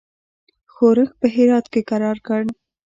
ښورښ په هرات کې کرار کړ.